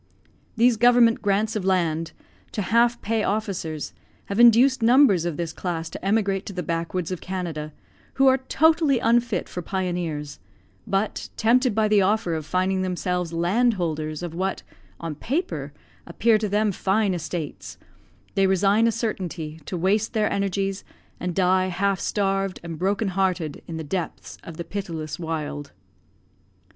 These government grants of land, to half pay officers, have induced numbers of this class to emigrate to the backwoods of Canada, who are totally unfit for pioneers; but, tempted by the offer of finding themselves landholders of what, on paper, appear to them fine estates, they resign a certainty, to waste their energies, and die half starved and broken hearted in the depths of the pitiless wild.